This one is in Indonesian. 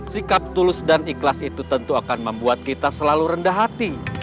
sikap tulus dan ikhlas itu tentu akan membuat kita selalu rendah hati